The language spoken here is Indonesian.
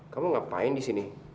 kamu ngapain disini